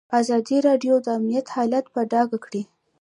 ازادي راډیو د امنیت حالت په ډاګه کړی.